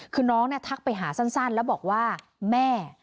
คือน้องทักไปหาสั้นแล้วบอกว่าแม่